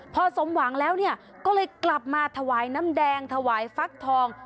พอสมหวังแล้วเนี่ยก็เลยกลับมาถวายน้ำแดงถวายฟักทอง